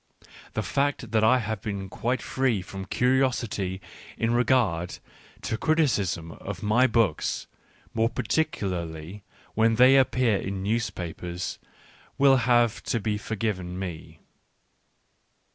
The fact > that I am quite free from curiosity in regard to criticisms of my books, more particularly when they appear in newspapers, will have to be forgiven me.